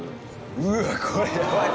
うわこれヤバい！